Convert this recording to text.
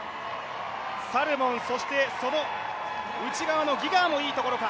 サルモン、そしてその内側のギガーもいいところか。